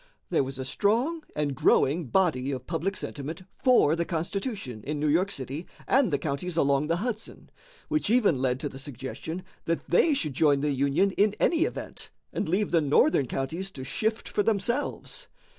There was a strong and growing body of public sentiment for the Constitution in New York city and the counties along the Hudson, which even led to the suggestion that they should join the Union in any event and leave the northern counties to shift for themselves.